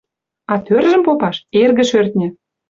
А тӧржӹм попаш, эргӹ — шӧртньӹ!